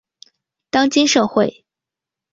当今社会